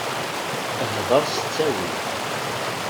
Hḍeṛ s ttawil.